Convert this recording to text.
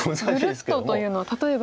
グルッとというのは例えば。